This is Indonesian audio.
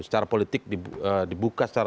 secara politik dibuka secara